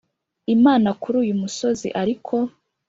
Imana kuri uyu musozi ariko